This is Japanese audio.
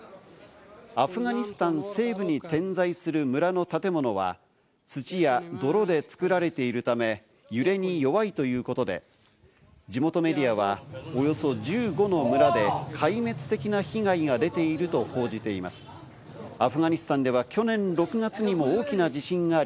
アフガニスタン西部に点在する村の建物は土や泥で作られているため、揺れに弱いということで、地元メディアはおよそ１５の村で壊滅的な被害が出ていると報じてへい「白チャーハン」！